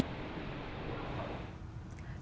thông tin vừa qua